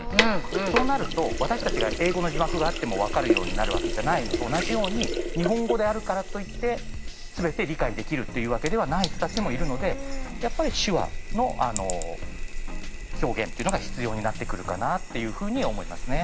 そうなると私たちが英語の字幕があっても分かるようになるわけじゃないのと同じように日本語であるからといって全て理解できるっていうわけではない人たちもいるのでやっぱり手話の表現っていうのが必要になってくるかなっていうふうに思いますね。